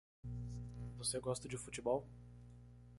Você gosta de futebol?